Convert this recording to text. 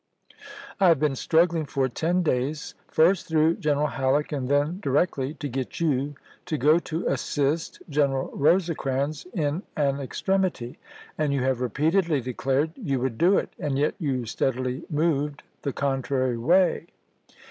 I have been struggling for ten days, first through General Hal leek, and then directly, to get you to go to assist General Rosecrans in an extremity, and you have repeatedly declared you would do it, and yet you steadily moved the contrary way."